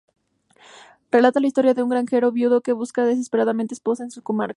Relata la historia de un granjero viudo que busca desesperadamente esposa en su comarca.